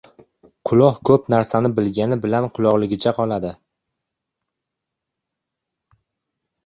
• Quloq ko‘p narsani bilgani bilan quloqligicha qoladi.